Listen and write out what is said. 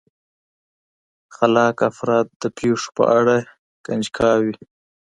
خلاق افراد د پېښو په اړه کنجکاو وي.